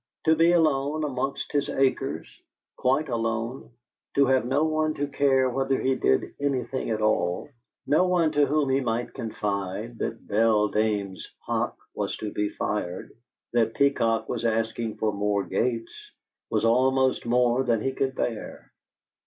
To be alone amongst his acres, quite alone to have no one to care whether he did anything at all, no one to whom he might confide that Beldame's hock was to be fired, that Peacock was asking for more gates, was almost more than he could bear.